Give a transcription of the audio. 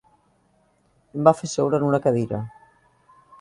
Em va fer seure en una cadira